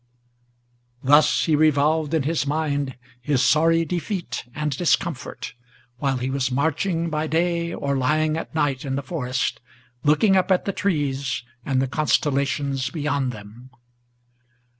Thus he revolved in his mind his sorry defeat and discomfort, While he was marching by day or lying at night in the forest, Looking up at the trees, and the constellations beyond them.